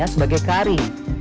dan sebagai kari